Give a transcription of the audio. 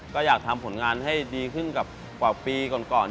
ก็อยากทำผลงานให้ดีขึ้นกว่าปีก่อน